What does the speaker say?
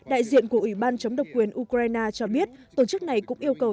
đại diện của ủy ban chống độc quyền ukraine cho biết tổ chức này cũng yêu cầu